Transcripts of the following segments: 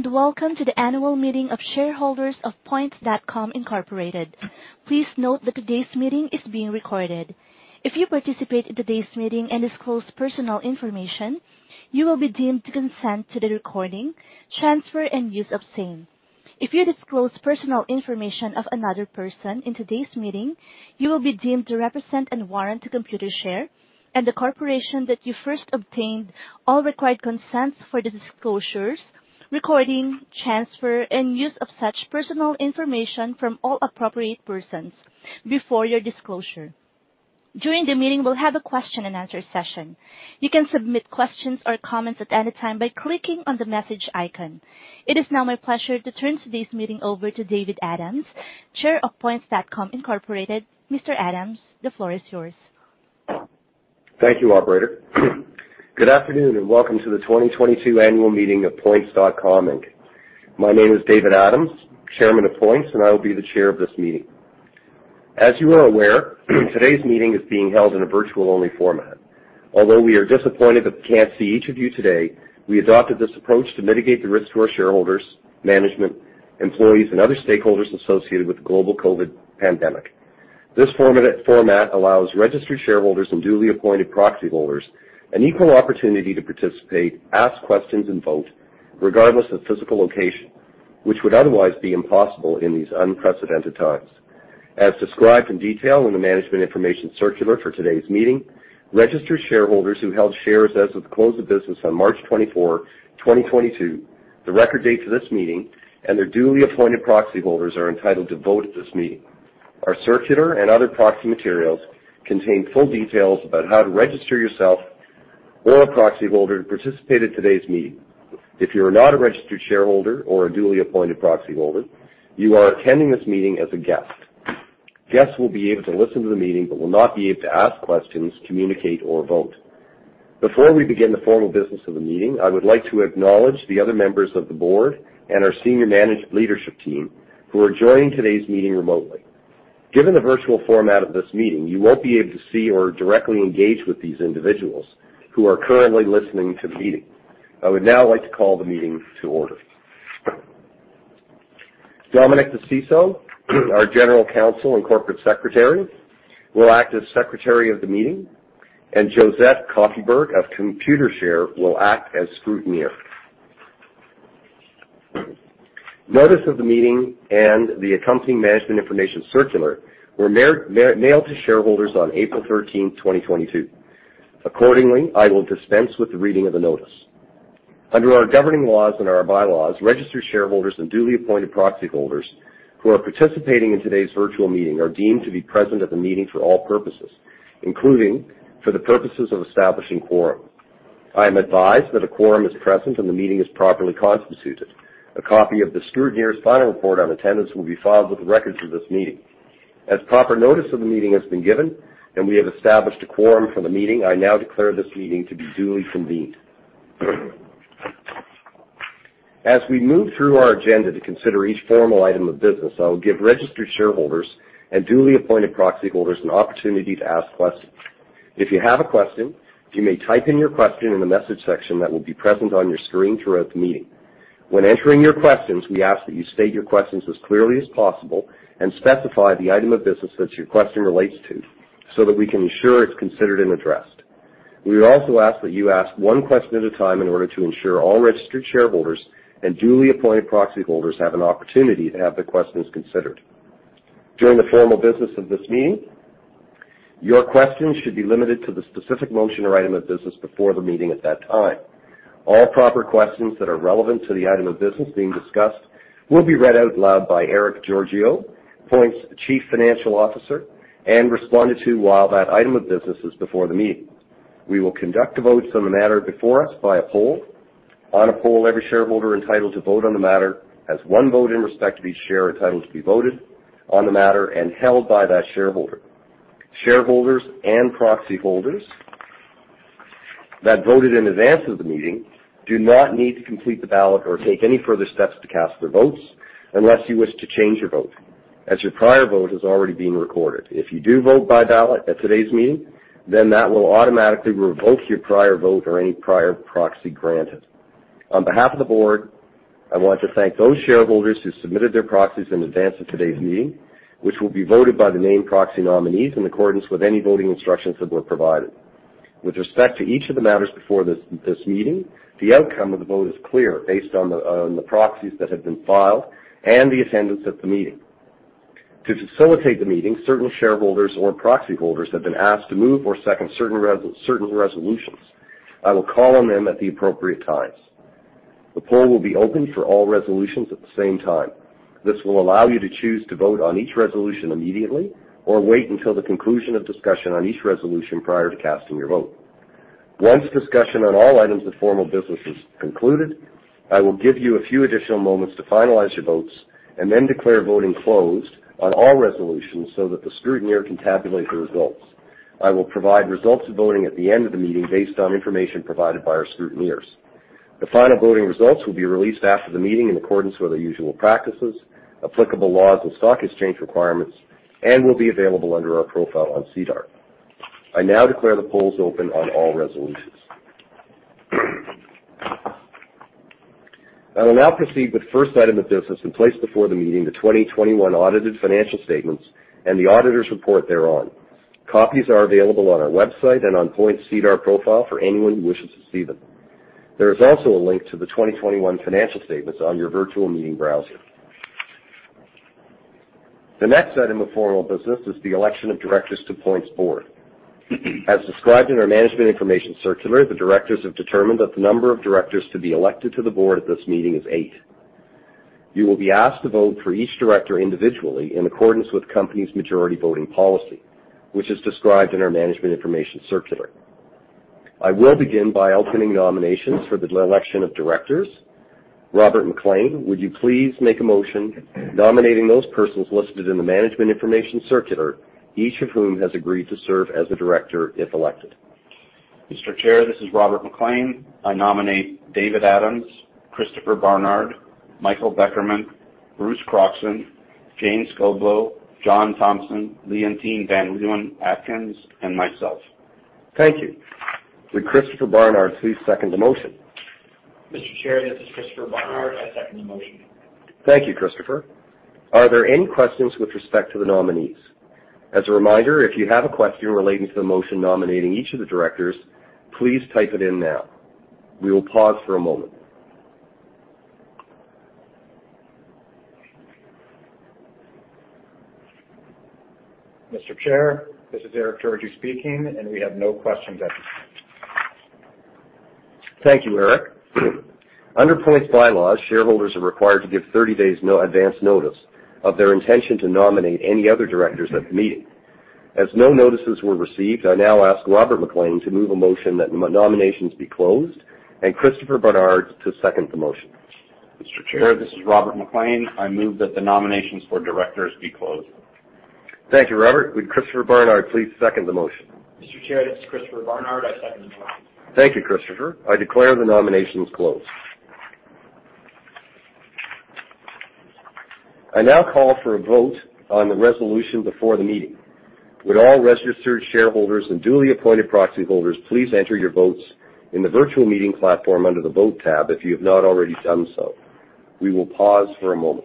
Hello, and welcome to the annual meeting of shareholders of Points.com Inc. Please note that today's meeting is being recorded. If you participate in today's meeting and disclose personal information, you will be deemed to consent to the recording, transfer, and use of same. If you disclose personal information of another person in today's meeting, you will be deemed to represent and warrant to Computershare and the corporation that you first obtained all required consents for the disclosures, recording, transfer, and use of such personal information from all appropriate persons before your disclosure. During the meeting, we'll have a question and answer session. You can submit questions or comments at any time by clicking on the message icon. It is now my pleasure to turn today's meeting over to David Adams, Chair of Points.com Inc. Mr. Adams, the floor is yours. Thank you, operator. Good afternoon, and welcome to the 2022 annual meeting of Points.com Inc. My name is David Adams, Chairman of Points, and I will be the chair of this meeting. As you are aware, today's meeting is being held in a virtual-only format. Although we are disappointed that we can't see each of you today, we adopted this approach to mitigate the risk to our shareholders, management, employees, and other stakeholders associated with the global COVID pandemic. This format allows registered shareholders and duly appointed proxy holders an equal opportunity to participate, ask questions, and vote regardless of physical location, which would otherwise be impossible in these unprecedented times. As described in detail in the management information circular for today's meeting, registered shareholders who held shares as of the close of business on March 24, 2022, the record date for this meeting, and their duly appointed proxy holders are entitled to vote at this meeting. Our circular and other proxy materials contain full details about how to register yourself or a proxy holder to participate in today's meeting. If you're not a registered shareholder or a duly appointed proxy holder, you are attending this meeting as a guest. Guests will be able to listen to the meeting but will not be able to ask questions, communicate, or vote. Before we begin the formal business of the meeting, I would like to acknowledge the other members of the board and our senior management leadership team who are joining today's meeting remotely. Given the virtual format of this meeting, you won't be able to see or directly engage with these individuals who are currently listening to the meeting. I would now like to call the meeting to order. Domenic DiCenso, our General Counsel and Corporate Secretary, will act as Secretary of the meeting, and Josette Koevoets of Computershare will act as scrutineer. Notice of the meeting and the accompanying management information circular were mailed to shareholders on April 13, 2022. I will dispense with the reading of the notice. Under our governing laws and our bylaws, registered shareholders and duly appointed proxy holders who are participating in today's virtual meeting are deemed to be present at the meeting for all purposes, including for the purposes of establishing quorum. I am advised that a quorum is present, and the meeting is properly constituted. A copy of the scrutineer's final report on attendance will be filed with the records of this meeting. As proper notice of the meeting has been given, and we have established a quorum for the meeting, I now declare this meeting to be duly convened. As we move through our agenda to consider each formal item of business, I will give registered shareholders and duly appointed proxy holders an opportunity to ask questions. If you have a question, you may type in your question in the message section that will be present on your screen throughout the meeting. When entering your questions, we ask that you state your questions as clearly as possible and specify the item of business that your question relates to so that we can ensure it's considered and addressed. We would also ask that you ask one question at a time in order to ensure all registered shareholders and duly appointed proxy holders have an opportunity to have their questions considered. During the formal business of this meeting, your questions should be limited to the specific motion or item of business before the meeting at that time. All proper questions that are relevant to the item of business being discussed will be read out loud by Erick Georgiou, Points' Chief Financial Officer, and responded to while that item of business is before the meeting. We will conduct the votes on the matter before us by a poll. On a poll, every shareholder entitled to vote on the matter has one vote in respect to each share entitled to be voted on the matter and held by that shareholder. Shareholders and proxy holders that voted in advance of the meeting do not need to complete the ballot or take any further steps to cast their votes unless you wish to change your vote, as your prior vote has already been recorded. If you do vote by ballot at today's meeting, then that will automatically revoke your prior vote or any prior proxy granted. On behalf of the board, I want to thank those shareholders who submitted their proxies in advance of today's meeting, which will be voted by the named proxy nominees in accordance with any voting instructions that were provided. With respect to each of the matters before this meeting, the outcome of the vote is clear based on the proxies that have been filed and the attendance at the meeting. To facilitate the meeting, certain shareholders or proxy holders have been asked to move or second certain resolutions. I will call on them at the appropriate times. The poll will be open for all resolutions at the same time. This will allow you to choose to vote on each resolution immediately or wait until the conclusion of discussion on each resolution prior to casting your vote. Once discussion on all items of formal business is concluded, I will give you a few additional moments to finalize your votes and then declare voting closed on all resolutions so that the scrutineer can tabulate the results. I will provide results of voting at the end of the meeting based on information provided by our scrutineers. The final voting results will be released after the meeting in accordance with our usual practices, applicable laws, and stock exchange requirements, and will be available under our profile on SEDAR. I now declare the polls open on all resolutions. I will now proceed with first item of business and place before the meeting the 2021 audited financial statements and the auditors' report thereon. Copies are available on our website and on Points' SEDAR profile for anyone who wishes to see them. There is also a link to the 2021 financial statements on your virtual meeting browser. The next item of formal business is the election of directors to Points' board. As described in our management information circular, the directors have determined that the number of directors to be elected to the board at this meeting is eight. You will be asked to vote for each director individually, in accordance with the company's majority voting policy, which is described in our management information circular. I will begin by opening nominations for the election of directors. Rob MacLean, would you please make a motion nominating those persons listed in the management information circular, each of whom has agreed to serve as a director if elected? Mr. Chair, this is Rob MacLean. I nominate David Adams, Christopher Barnard, Michael Beckerman, Bruce Croxon, G. Scott Goldbloom, John Thompson, Leontine van Leeuwen-Atkins, and myself. Thank you. Would Christopher Barnard please second the motion? Mr. Chair, this is Christopher Barnard. I second the motion. Thank you, Christopher. Are there any questions with respect to the nominees? As a reminder, if you have a question relating to the motion nominating each of the directors, please type it in now. We will pause for a moment. Mr. Chair, this is Erick Georgiou speaking, and we have no questions at this time. Thank you, Erick. Under Points' bylaws, shareholders are required to give 30 days advance notice of their intention to nominate any other directors at the meeting. As no notices were received, I now ask Rob MacLean to move a motion that nominations be closed and Christopher Barnard to second the motion. Mr. Chair, this is Rob MacLean. I move that the nominations for directors be closed. Thank you, Robert. Would Christopher Barnard please second the motion? Mr. Chair, this is Christopher Barnard. I second the motion. Thank you, Christopher. I declare the nominations closed. I now call for a vote on the resolution before the meeting. Would all registered shareholders and duly appointed proxy holders please enter your votes in the virtual meeting platform under the Vote tab if you have not already done so. We will pause for a moment.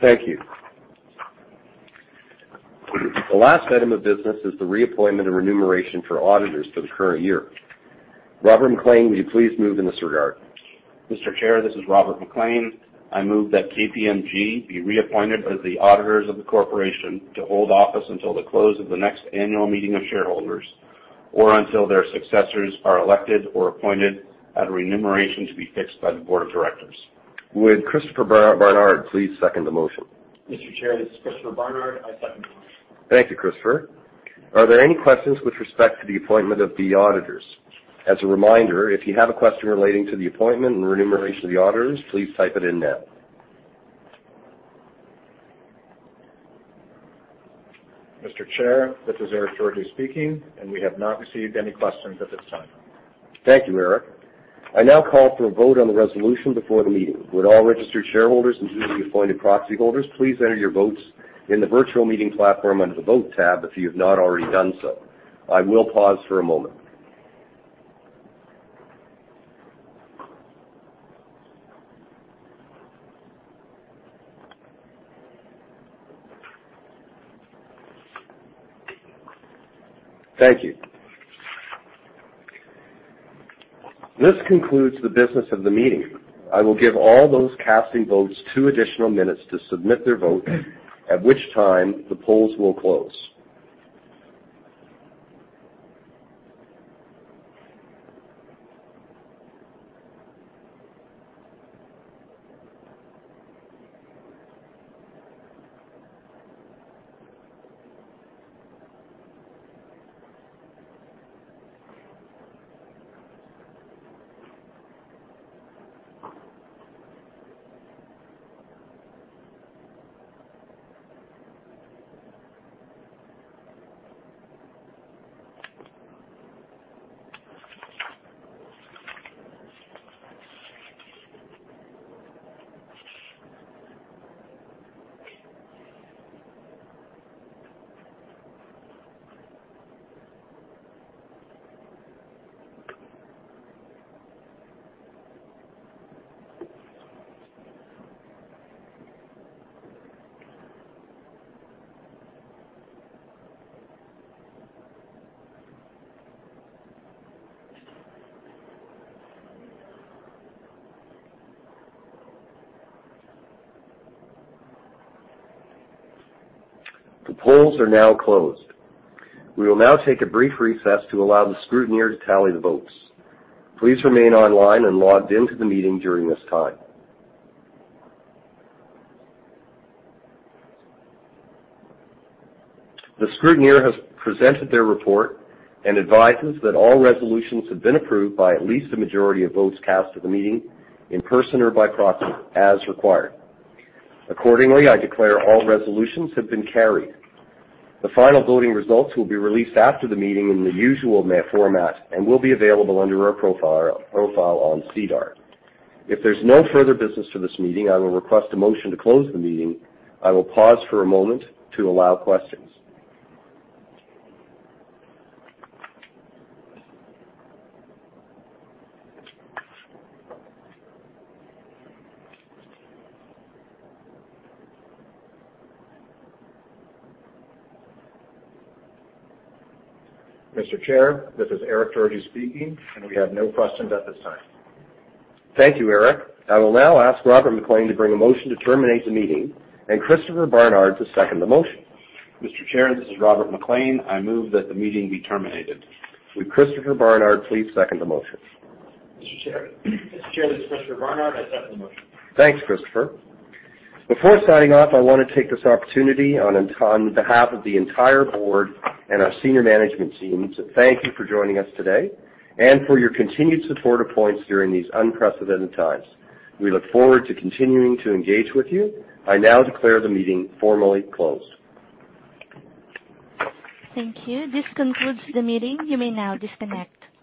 Thank you. The last item of business is the reappointment and remuneration for auditors for the current year. Rob MacLean, will you please move in this regard? Mr. Chair, this is Rob MacLean. I move that KPMG be reappointed as the auditors of the corporation to hold office until the close of the next annual meeting of shareholders, or until their successors are elected or appointed at a remuneration to be fixed by the board of directors. Would Christopher Barnard please second the motion? Mr. Chair, this is Christopher Barnard. I second the motion. Thank you, Christopher. Are there any questions with respect to the appointment of the auditors? As a reminder, if you have a question relating to the appointment and remuneration of the auditors, please type it in now. Mr. Chair, this is Erick Georgiou speaking. We have not received any questions at this time. Thank you, Erick. I now call for a vote on the resolution before the meeting. Would all registered shareholders and duly appointed proxy holders please enter your votes in the virtual meeting platform under the Vote tab if you have not already done so. I will pause for a moment. Thank you. This concludes the business of the meeting. I will give all those casting votes two additional minutes to submit their vote, at which time the polls will close. The polls are now closed. We will now take a brief recess to allow the scrutineer to tally the votes. Please remain online and logged into the meeting during this time. The scrutineer has presented their report and advises that all resolutions have been approved by at least a majority of votes cast at the meeting, in person or by proxy, as required. Accordingly, I declare all resolutions have been carried. The final voting results will be released after the meeting in the usual format and will be available under our profile on SEDAR. If there's no further business for this meeting, I will request a motion to close the meeting. I will pause for a moment to allow questions. Mr. Chair, this is Erick Georgiou speaking, and we have no questions at this time. Thank you, Erick. I will now ask Rob MacLean to bring a motion to terminate the meeting, and Christopher Barnard to second the motion. Mr. Chair, this is Rob MacLean. I move that the meeting be terminated. Would Christopher Barnard please second the motion? Mr. Chair, this is Christopher Barnard. I second the motion. Thanks, Christopher. Before signing off, I want to take this opportunity on behalf of the entire board and our senior management team to thank you for joining us today and for your continued support of Points during these unprecedented times. We look forward to continuing to engage with you. I now declare the meeting formally closed. Thank you. This concludes the meeting. You may now disconnect.